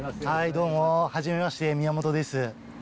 どうもはじめまして、宮本です。